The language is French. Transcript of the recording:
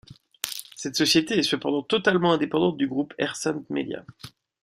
Cette société est cependant totalement indépendante du Groupe Hersant Média.